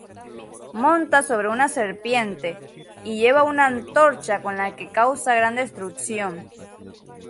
Monta sobre una serpiente y lleva una antorcha con la que causa gran destrucción.